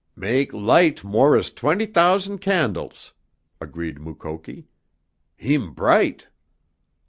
"Mak' light more as twent' t'ous'nd candles!" agreed Mukoki. "Heem bright!"